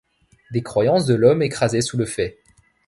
Des croyances de l’homme écrasé sous le faix